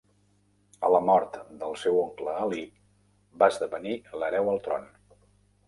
A la mort del seu oncle Alí va esdevenir l'hereu al tron.